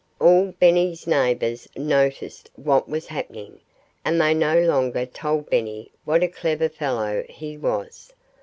All Benny's neighbors noticed what was happening. And they no longer told Benny what a clever fellow he was.